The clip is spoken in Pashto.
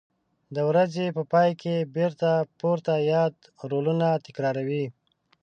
د ورځې په پای کې بېرته پورته یاد رولونه تکراروي.